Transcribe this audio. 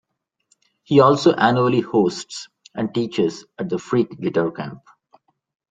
He also annually hosts and teaches at the Freak Guitar Camp.